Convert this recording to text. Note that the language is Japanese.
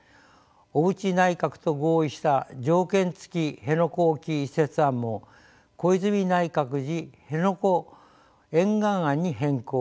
小渕内閣と合意した条件付き辺野古沖移設案も小泉内閣時辺野古沿岸案に変更。